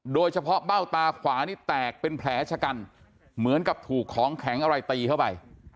เบ้าตาขวานี่แตกเป็นแผลชะกันเหมือนกับถูกของแข็งอะไรตีเข้าไป